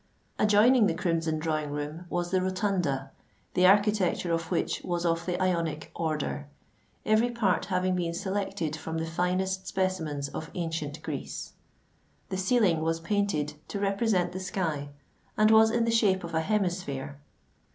Adjoining the Crimson Drawing room was the Rotunda, the architecture of which was of the Ionic order, every part having been selected from the finest specimens of ancient Greece. The ceiling was painted to represent the sky, and was in the shape of a hemisphere.